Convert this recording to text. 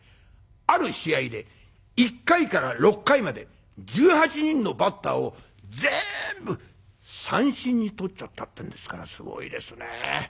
ある試合で１回から６回まで１８人のバッターをぜんぶ三振にとっちゃったってんですからすごいですね。